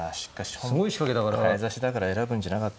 早指しだから選ぶんじゃなかった。